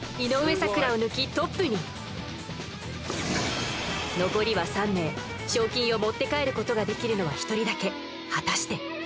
咲楽を抜きトップに残りは３名賞金を持って帰ることができるのは１人だけ果たして？